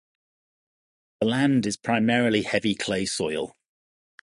The land is primarily heavy clay soil.